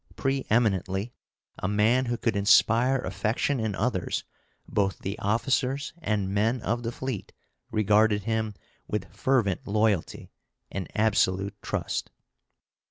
Preeminently a man who could inspire affection in others, both the officers and men of the fleet regarded him with fervent loyalty and absolute trust.